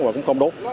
và cũng không đốt